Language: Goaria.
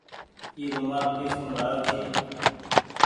اي رومآل ڪي سون لآيو ڇي۔